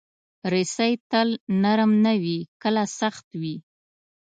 رسۍ تل نرم نه وي، کله سخت وي.